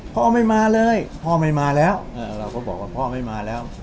พ่อไม่มาเลยพ่อไม่มาแล้วเราก็บอกว่าพ่อไม่มาแล้ว